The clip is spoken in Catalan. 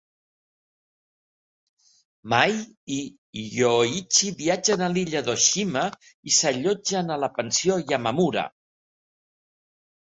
Mai i Yoichi viatgen a l'illa d'Oshima i s'allotgen a la pensió Yamamura.